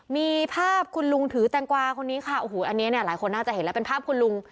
มีภาพคุณลุงถือแตงกวาคนนี้ค่ะโอ้โหอันนี้เนี่ยหลายคนน่าจะเห็นแล้วเป็นภาพคุณลุง